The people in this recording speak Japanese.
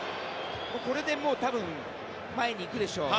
これで多分、前に行くでしょう。